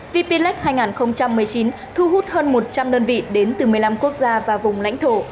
vplec hai nghìn một mươi chín thu hút hơn một trăm linh đơn vị đến từ một mươi năm quốc gia và vùng lãnh thổ